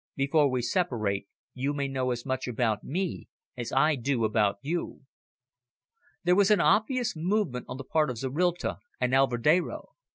Before we separate, you may know as much about me as I do about you." There was an obvious movement on the part of Zorrilta and Alvedero.